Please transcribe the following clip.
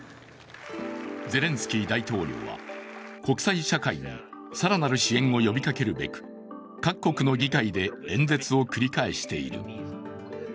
ゼレンスキー大統領は国際社会に更なる支援を呼びかけるべく各国の議会で演説を繰り返している。